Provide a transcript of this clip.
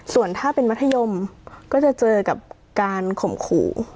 ส่วนถ้าเป็นมัธยมก็จะเจอกับการข่มขู่